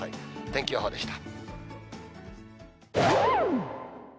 天気予報でした。